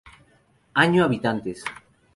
Año Habitantes